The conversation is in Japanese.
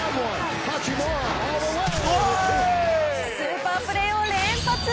スーパープレーを連発。